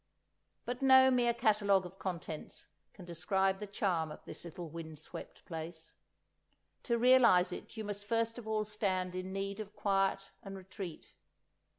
But no mere catalogue of contents can describe the charm of this little wind swept place. To realise it you must first of all stand in need of quiet and retreat.